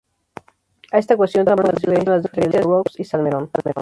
A esta cuestión tampoco ayudaron las diferencias entre Lerroux y Salmerón.